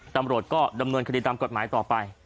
ตำรวจก็ดำเนินคดีตามกฎหมายต่อไป